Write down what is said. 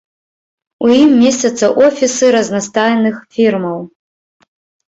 У ім месцяцца офісы разнастайных фірмаў.